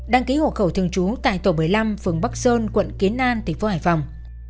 đăng ký hộ khẩu thường trú tại tổ một mươi năm phường bắc sơn quận kiến an thành phố hải phòng